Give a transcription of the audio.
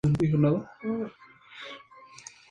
Viviría el resto de sus días dedicado al comercio.